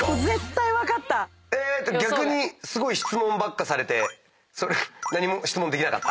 逆にすごい質問ばっかされて何も質問できなかった。